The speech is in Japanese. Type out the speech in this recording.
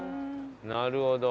なるほど。